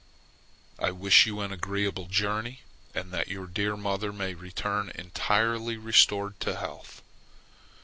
I wish you an agreeable journey, and that your dear mother may return entirely restored to health!